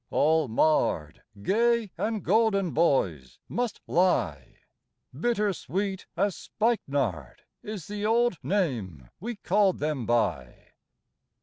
all marred Gay and golden boys must lie : Bitter sweet as spikenard Is the old name we called them by.